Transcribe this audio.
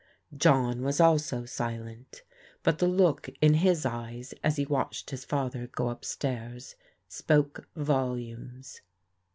John was also silent, but the look in his eyes as he watched his father go up stairs spoke volumes.